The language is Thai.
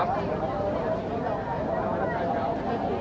มันเป็นสิ่งที่จะให้ทุกคนรู้สึกว่ามันเป็นสิ่งที่จะให้ทุกคนรู้สึกว่า